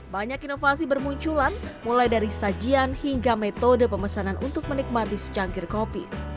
banyak inovasi bermunculan mulai dari sajian hingga metode pemesanan untuk menikmati secangkir kopi